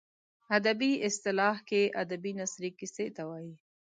ادبي اصطلاح کې ادبي نثري کیسې ته وايي.